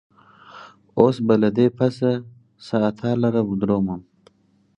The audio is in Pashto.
اوس به له دې پسه څه عطار لره وردرومم